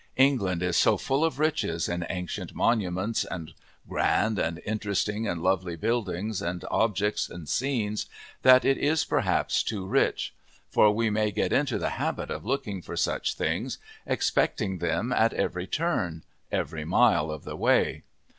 England is so full of riches in ancient monuments and grand and interesting and lovely buildings and objects and scenes, that it is perhaps too rich. For we may get into the habit of looking for such things, expecting them at every turn, every mile of the way.